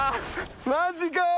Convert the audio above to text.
マジかよ。